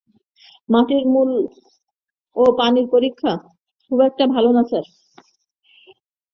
মাটির মূল এবং পানি পরীক্ষার ফলাফল খুব একটা ভালো না স্যার।